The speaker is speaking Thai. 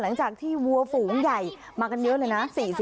หลังจากที่วัวฝูงใหญ่มากันเยอะเลยนะ